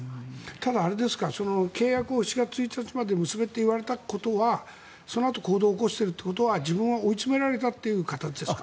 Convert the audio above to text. ただ、契約を７月１日までに結べと言われたことはそのあと、行動を起こしているということは自分は追い詰められたという形ですか？